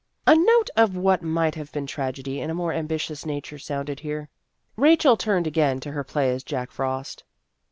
A note of what might have been tragedy in a more ambitious nature sounded here. Rachel turned again to her play as Jack Frost.